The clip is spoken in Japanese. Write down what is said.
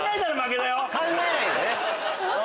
考えないでね。